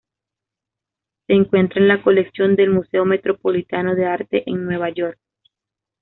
Se encuentra en la colección del Museo Metropolitano de Arte en Nueva York.